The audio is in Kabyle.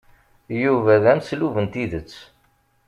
Yuba d ameslub n tidet.